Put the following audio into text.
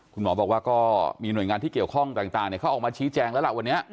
คุณหมอบอกว่าก็มีหน่วยงานที่เกี่ยวข้องต่างเขาออกมาชี้แจงแล้วล่ะวันนี้